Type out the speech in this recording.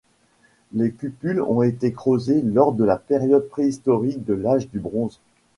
Les cupules ont été creusées lors de la période préhistorique de l'âge du bronze.